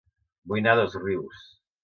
Vull anar a Dosrius